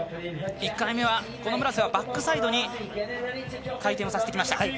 １回目は村瀬はバックサイドに回転をさせてきました。